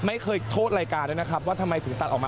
ไม่เคยโทษรายการด้วยนะครับว่าทำไมถึงตัดออกมา